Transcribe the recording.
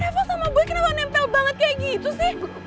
nevo sama gue kenapa nempel banget kayak gitu sih